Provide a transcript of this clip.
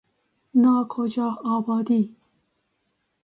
ناکجاآبادی